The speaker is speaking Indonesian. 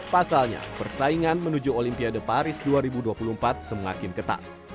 pasalnya persaingan menuju olimpiade paris dua ribu dua puluh empat semakin ketat